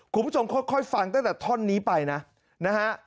คุณผู้ชมค่อยฟังตั้งแต่ท่อนนี้ไปนะนะฮะ